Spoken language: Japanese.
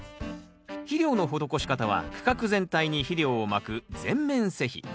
肥料の施し方は区画全体に肥料をまく全面施肥。